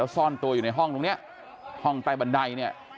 ซ่อนตัวอยู่ในห้องตรงนี้ห้องใต้บันไดเนี่ย